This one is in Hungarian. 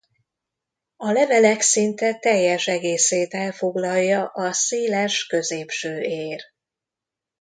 A levelek szinte teljes egészét elfoglalja a széles középső ér.